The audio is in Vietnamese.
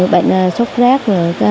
bệnh sốt rác